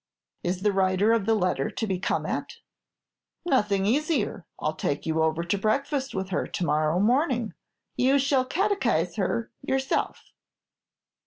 "Is the writer of the letter to be come at?" "Nothing easier. I'll take you over to breakfast with her to morrow morning; you shall catechise her yourself."